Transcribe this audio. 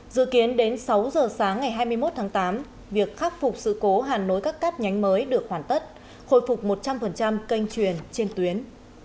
dự kiến đến sáu giờ sáng ngày hai mươi một tháng tám việc khắc phục sự cố hàn nối các cáp nhánh mới được hoàn tất khôi phục một trăm linh kênh truyền trên tuyến